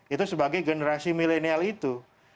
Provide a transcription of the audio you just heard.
itu sebagai generasi milenial itu